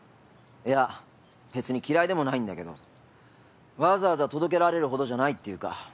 いや別に嫌いでもないんだけどわざわざ届けられるほどじゃないっていうか。